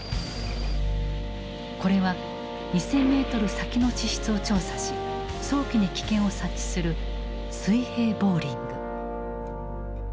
これは２，０００メートル先の地質を調査し早期に危険を察知する水平ボーリング。